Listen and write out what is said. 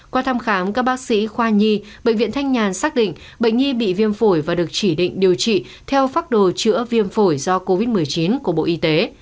qua thăm khám các bác sĩ khoa nhi bệnh viện thanh nhàn xác định bệnh nhi bị viêm phổi và được chỉ định điều trị theo phác đồ chữa viêm phổi do covid một mươi chín của bộ y tế